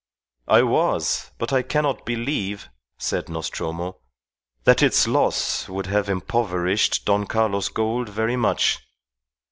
"I was; but I cannot believe," said Nostromo, "that its loss would have impoverished Don Carlos Gould very much.